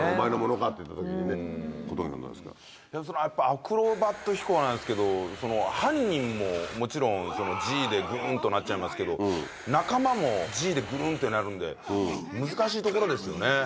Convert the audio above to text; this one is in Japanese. アクロバット飛行なんですけどその犯人ももちろんＧでグンとなっちゃいますけど仲間もＧでグルンってなるんで難しいところですよね。